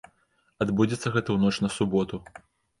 Адбудзецца гэта ў ноч на суботу.